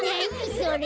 それ。